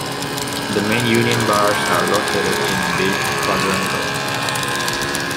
The main Union bars are located in Beit Quadrangle.